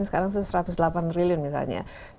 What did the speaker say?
sekarang sudah satu ratus delapan triliun misalnya